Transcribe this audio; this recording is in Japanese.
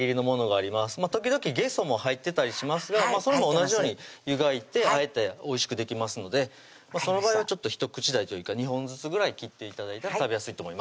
時々げそも入ってたりしますがそれも同じように湯がいて和えておいしくできますのでその場合はちょっと一口大というか２本ずつぐらい切って頂いたら食べやすいと思います